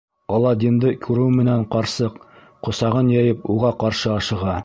Аладдинды күреү менән ҡарсыҡ, ҡосағын йәйеп, уға ҡаршы ашыға: